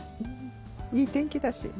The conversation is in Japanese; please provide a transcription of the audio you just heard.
いい天気だし。